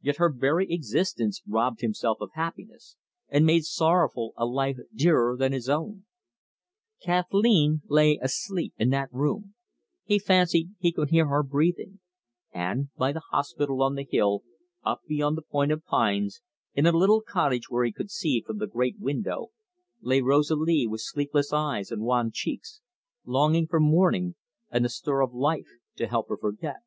Yet her very existence robbed himself of happiness, and made sorrowful a life dearer than his own. Kathleen lay asleep in that room he fancied he could hear her breathing; and, by the hospital on the hill, up beyond the point of pines, in a little cottage which he could see from the great window, lay Rosalie with sleepless eyes and wan cheeks, longing for morning and the stir of life to help her to forget.